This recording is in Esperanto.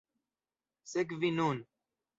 Sekvi nun!